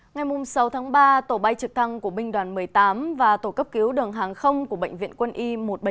ngày sáu tháng ba tổ bay trực thăng của binh đoàn một mươi tám và tổ cấp cứu đường hàng không của bệnh viện quân y một trăm bảy mươi bảy